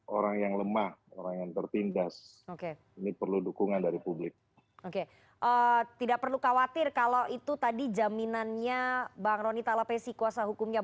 orang yang lemah orang yang tertindas